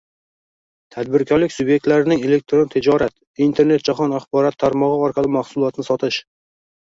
tadbirkorlik subyektlarining elektron tijorat, Internet jahon axborot tarmog‘i orqali mahsulotni sotish